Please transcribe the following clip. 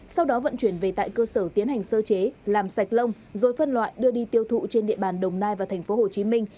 sau đó vận chuyển về tại cơ sở tiến hành sơ chế làm sạch lông rồi phân loại đưa đi tiêu thụ trên địa bàn đồng nai và thành phố hồ chí minh